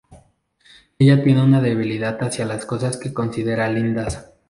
Ella tiene una debilidad hacia las cosas que considera lindas.